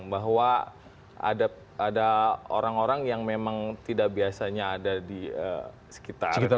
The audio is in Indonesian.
bahwa ada orang orang yang memang tidak biasanya ada di sekitar